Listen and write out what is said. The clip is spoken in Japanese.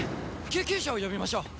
救急車を呼びましょう。